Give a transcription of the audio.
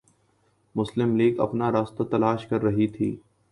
مسلم لیگ اپنا راستہ تلاش کررہی تھی۔